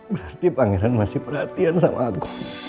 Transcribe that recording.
berarti pangeran masih perhatian sama aku